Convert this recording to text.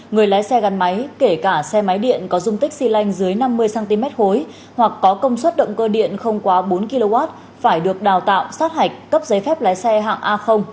người lái xe gắn máy kể cả xe máy điện có dung tích xy lanh dưới năm mươi cm khối hoặc có công suất động cơ điện không quá bốn kw phải được đào tạo sát hạch cấp giấy phép lái xe hạng a